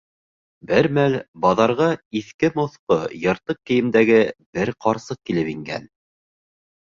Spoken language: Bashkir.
Бер мәл баҙарға иҫке-моҫҡо, йыртыҡ кейемдәге бер ҡарсыҡ килеп ингән.